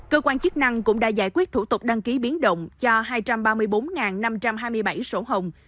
cơ quan chức năng cũng đã giải quyết thủ tục đăng ký biến động cho hai trăm ba mươi bốn năm trăm hai mươi bảy sổ hồng